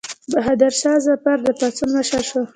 بهادر شاه ظفر د پاڅون مشر شو.